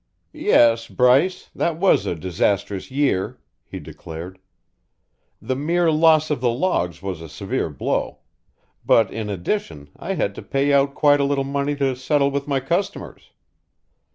"Yes, Bryce, that was a disastrous year," he declared. "The mere loss of the logs was a severe blow, but in addition I had to pay out quite a little money to settle with my customers.